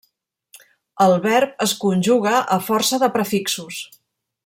El verb es conjuga a força de prefixos.